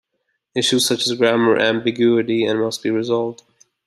Issues such as grammar ambiguity must be resolved.